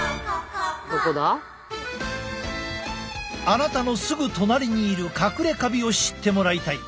あなたのすぐ隣にいるかくれカビを知ってもらいたい。